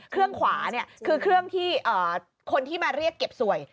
เครื่องขวาเนี่ยคือเครื่องที่คนที่มาเรียกเก็บสวย